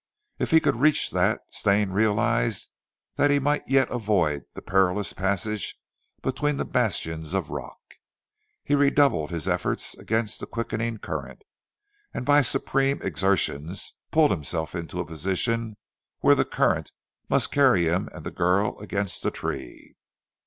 If he could reach that Stane realized that he might yet avoid the perilous passage between the bastions of rock. He redoubled his efforts against the quickening current, and by supreme exertions pulled himself into a position where the current must carry him and the girl against the tree.